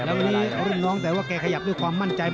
วันนี้พันล้องแต่ว่าไงขยับด้วยความมั่นใจ